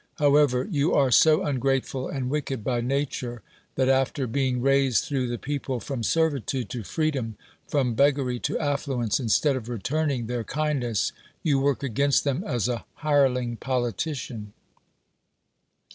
However, you are so un grateful and wicked by nature, that after being raised through the people from servitude to free dom, from beggary to affluence, instead of return ing their kindness, yon work against them as a hireling politician.